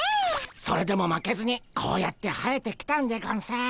それでも負けずにこうやって生えてきたんでゴンス。